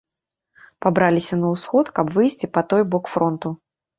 Пабраліся на ўсход, каб выйсці па той бок фронту.